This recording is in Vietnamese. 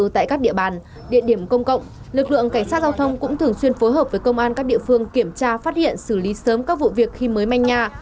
tại các địa bàn địa điểm công cộng lực lượng cảnh sát giao thông cũng thường xuyên phối hợp với công an các địa phương kiểm tra phát hiện xử lý sớm các vụ việc khi mới manh nhà